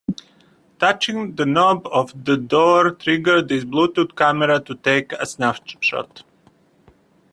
Touching the knob of the door triggers this Bluetooth camera to take a snapshot.